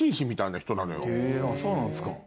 へぇそうなんですか。